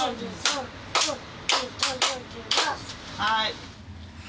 はい。